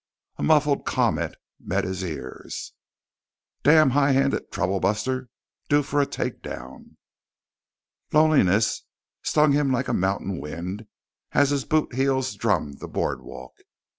A muffled comment met his ears: "Damned high handed troublebuster! Due for a takedown." Loneliness stung him like a mountain wind as his bootheels drummed the boardwalk.